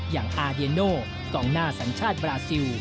อย่างอาเดียโนกองหน้าสัญชาติบราซิล